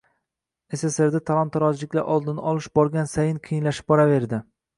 Sssrda talon-torojliklar oldini olish borgan sayin qiyinlashib boraverdi.